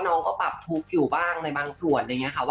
น้องก็ปรับทุกข์อยู่บ้างในบางส่วน